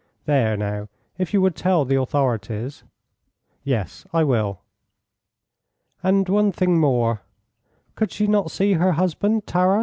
There, now, if you would tell the authorities." "Yes, I will." "And one thing more; could she not see her husband, Taras?"